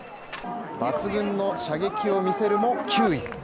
抜群の射撃を見せるも、９位。